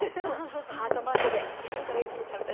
ハートマークでじっと見ていた歌ですね。